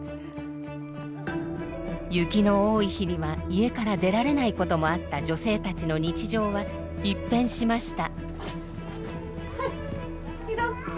雪の多い日には家から出られないこともあった女性たちの日常は一変しました。